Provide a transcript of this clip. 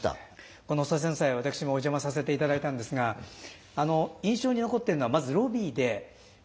この祖先祭私もお邪魔させていただいたんですがあの印象に残っているのはまずロビーで肩衣ですか？